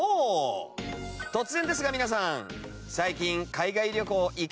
突然ですが皆さん最近海外旅行行けてますか？